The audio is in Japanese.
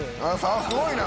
すごいな！